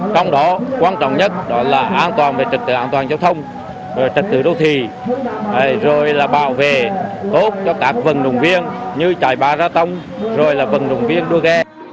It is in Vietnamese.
trong đó quan trọng nhất đó là an toàn về trật tự an toàn giao thông trật tự đô thị rồi là bảo vệ tốt cho các vận động viên như chạy ba gia tông rồi là vận động viên đua ghe